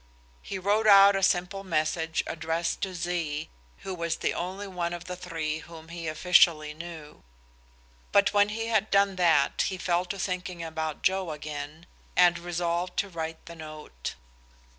He wrote out a simple message addressed to Z, who was the only one of the three whom he officially knew. But when he had done that, he fell to thinking about Joe again, and resolved to write the note.